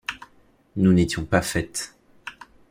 Nous n’étions pas faites...